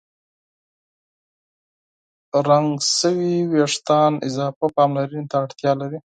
رنګ شوي وېښتيان اضافه پاملرنې ته اړتیا لري.